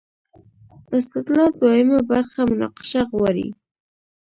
استدلال دویمه برخه مناقشه غواړي.